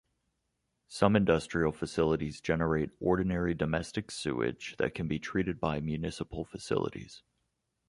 Some industrial facilities generate ordinary domestic sewage that can be treated by municipal facilities.